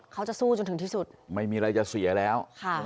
เขาจะสู้จนถึงที่สุดไม่มีอะไรจะเสียแล้วค่ะ